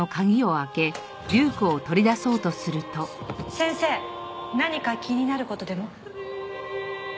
先生何か気になる事でも？